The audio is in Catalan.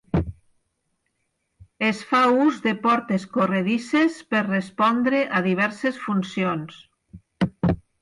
Es fa ús de portes corredisses per respondre a diverses funcions.